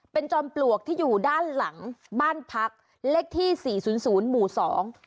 เป็นจอมปลวกที่อยู่ด้านหลังบ้านพักเลขที่สี่ศูนย์ศูนย์หมู่สอง